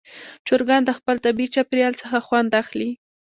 چرګان د خپل طبیعي چاپېریال څخه خوند اخلي.